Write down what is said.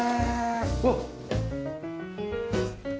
うわっ！